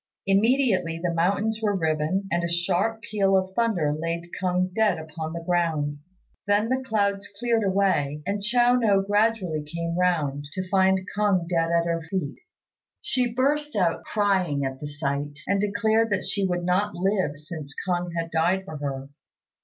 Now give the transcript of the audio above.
Immediately the mountains were riven, and a sharp peal of thunder laid K'ung dead upon the ground. Then the clouds cleared away, and Chiao no gradually came round, to find K'ung dead at her feet. She burst out crying at the sight, and declared that she would not live since K'ung had died for her.